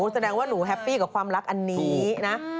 แสดงว่าหนูแฮปปี้กับความรักอันนี้นะ